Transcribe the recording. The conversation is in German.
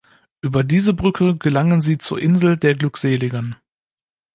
Über diese Brücke gelangen Sie zur Insel der Glückseligen.